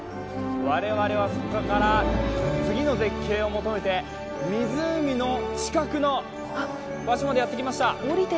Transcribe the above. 我々はそこから次の絶景を求めて湖の近くの場所までやってきました、